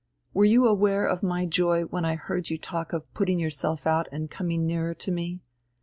Were you aware of my joy when I heard you talk of putting yourself out and coming nearer to me?